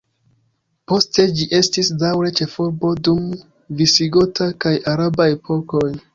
Poste ĝi estis daŭre ĉefurbo dum visigota kaj araba epokoj.